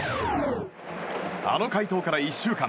あの快投から１週間。